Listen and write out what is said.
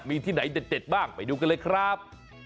มีที่ไหนเด็ดบ้างไปดูกันเลยครับ